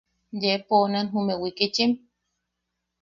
–¿Yee poonan jume wikichim?